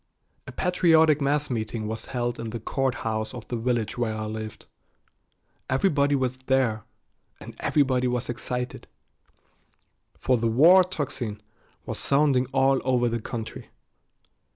A patriotic mass meeting was held in the court house of the village where I lived. Everybody was there, and everybody was excited, for the war tocsin was sounding all over the country.